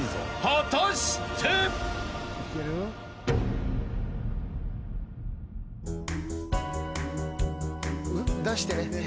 ［果たして］出してね。